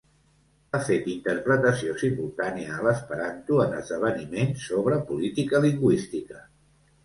Ha fet interpretació simultània a l'esperanto en esdeveniments sobre política lingüística.